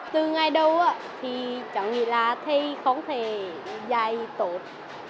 từ ngày đầu thì chẳng nghĩ là thầy không thể dạy tốt